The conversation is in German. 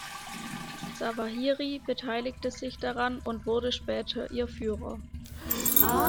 Zawahiri beteiligte sich daran und wurde später ihr Führer.